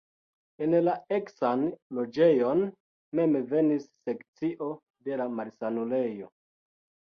En la eksan loĝejon mem venis sekcio de la malsanulejo.